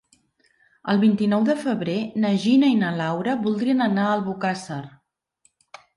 El vint-i-nou de febrer na Gina i na Laura voldrien anar a Albocàsser.